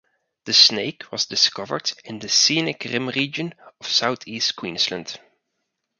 The snake was discovered in the Scenic Rim Region of South East Queensland.